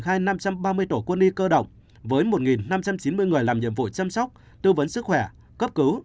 khai năm trăm ba mươi tổ quân y cơ động với một năm trăm chín mươi người làm nhiệm vụ chăm sóc tư vấn sức khỏe cấp cứu